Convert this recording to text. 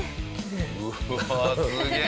うわっすげえ！